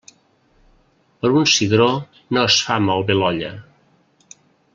Per un cigró no es fa malbé l'olla.